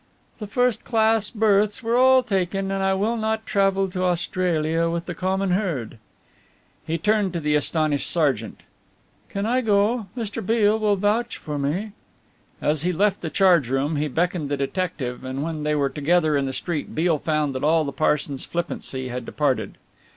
"The first class berths are all taken and I will not travel to Australia with the common herd." He turned to the astonished sergeant. "Can I go Mr. Beale will vouch for me?" As he left the charge room he beckoned the detective, and when they were together in the street Beale found that all the Parson's flippancy had departed.